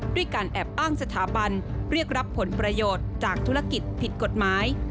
ด้วยการแอบอ้างสถาบันเรียกรับผลประโยชน์จากธุรกิจผิดกฎหมาย